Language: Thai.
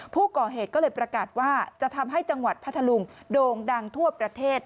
ผู้ก่อเหตุก็เลยประกาศว่าจะทำให้จังหวัดพัทธลุงโด่งดังทั่วประเทศ